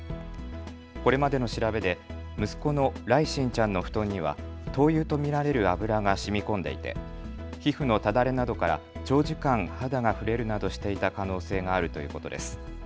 これまでの調べで息子の來心ちゃんの布団には灯油と見られる油がしみこんでいて皮膚のただれなどから長時間肌が触れるなどしていた可能性があるということです。